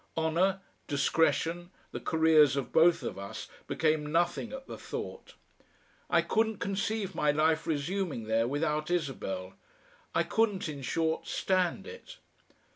Honour, discretion, the careers of both of us, became nothing at the thought. I couldn't conceive my life resuming there without Isabel. I couldn't, in short, stand it.